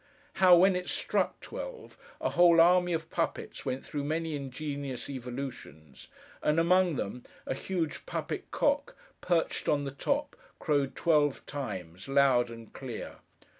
How, when it struck twelve, a whole army of puppets went through many ingenious evolutions; and, among them, a huge puppet cock, perched on the top, crowed twelve times, loud and clear.